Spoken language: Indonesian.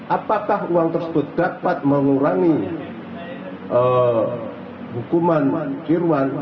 apakah uang tersebut dapat mengurangi hukuman kirwan